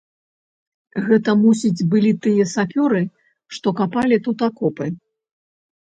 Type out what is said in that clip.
Гэта, мусіць, былі тыя сапёры, што капалі тут акопы.